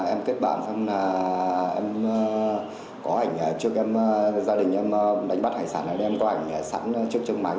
em kết bạn xong là em có ảnh trước em gia đình em đánh bắt hải sản này em có ảnh sẵn trước chân máy